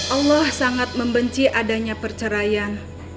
allah sangat membenci adanya perceraian